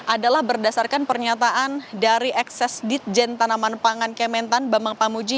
adalah berdasarkan pernyataan dari ekses ditjen tanaman pangan kementan bambang pamuji